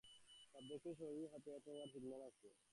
সাবজেক্টের শরীর হতে একপ্রকার সিগন্যাল আসছে!